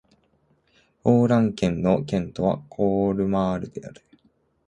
オー＝ラン県の県都はコルマールである